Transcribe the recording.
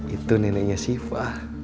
itu neneknya siva